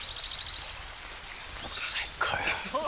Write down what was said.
最高よ。